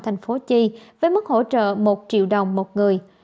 thành phố chi với mức hỗ trợ một triệu đồng một người